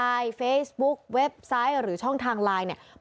เฟซบุ๊กเว็บไซต์หรือช่องทางไลน์เนี่ย